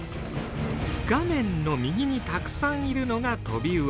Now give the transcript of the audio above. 画面の右にたくさんいるのがトビウオ。